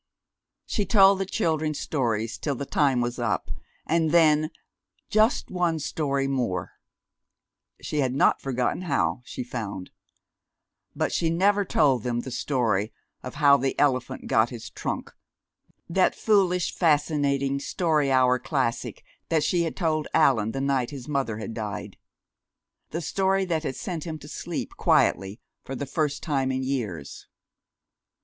She told the children stories till the time was up, and then "just one story more." She had not forgotten how, she found. But she never told them the story of "How the Elephant Got His Trunk," that foolish, fascinating story hour classic that she had told Allan the night his mother had died; the story that had sent him to sleep quietly for the first time in years....